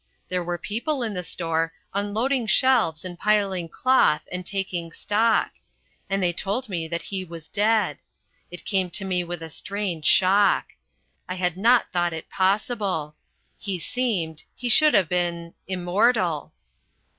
There were people in the store, unloading shelves and piling cloth and taking stock. And they told me that he was dead. It came to me with a strange shock. I had not thought it possible. He seemed he should have been immortal.